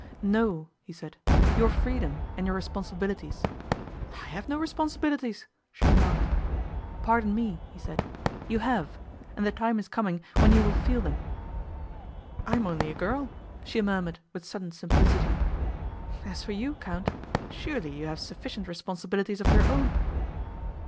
'No,' he said; 'your freedom and your responsibilities.' 'I have no responsibilities,' she remarked. 'Pardon me,' he said; 'you have, and the time is coming when you will feel them.' 'I'm only a girl,' she murmured with sudden simplicity. 'As for you, Count, surely you have sufficient responsibilities of your own?